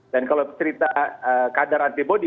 dan kalau cerita kadar antibody